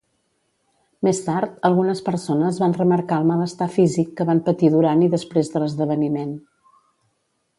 Més tard, algunes persones van remarcar el malestar físic que van patir durant i després de l'esdeveniment.